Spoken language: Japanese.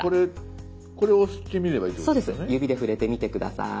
指で触れてみて下さい。